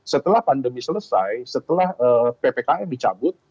setelah pandemi selesai setelah ppkm dicabut